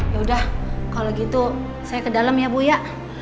yaudah kalo gitu saya ke dalem ya bu ya